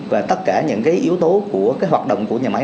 và tất cả những cái yếu tố của cái hoạt động của nhà máy